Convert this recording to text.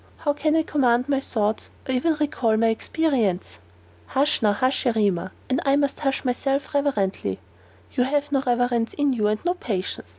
How can I command my thoughts, or even recall my experience?" "Hush! now hush, Erema! And I myself will hush most reverently." "You have no reverence in you, and no patience.